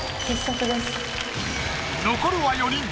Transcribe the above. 残るは四人。